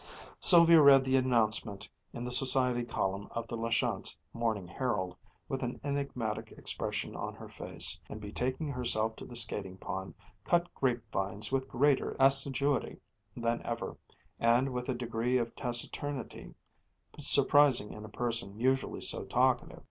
Sylvia read this announcement in the Society Column of the La Chance Morning Herald, with an enigmatic expression on her face, and betaking herself to the skating pond, cut grapevines with greater assiduity than ever, and with a degree of taciturnity surprising in a person usually so talkative.